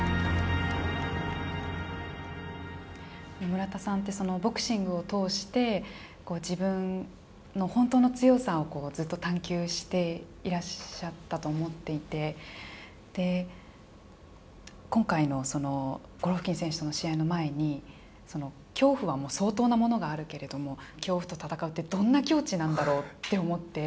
村田さんてそのボクシングを通してこう自分の本当の強さをこうずっと探求していらっしゃったと思っていて、で、今回のそのゴロフキン選手との試合の前にその恐怖はもう相当なものがあるけれども、恐怖と闘うってどんな境地なんだろうって思って。